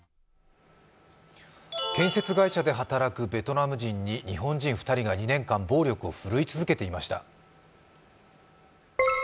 建設会社で働くベトナム人に日本人が２年間、暴力を振るい続けていました。